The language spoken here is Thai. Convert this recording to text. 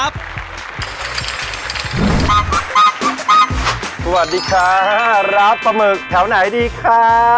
สวัสดีค่ะร้านปลาหมึกแถวไหนดีคะ